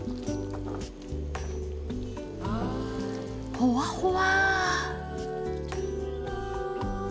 ほわほわ。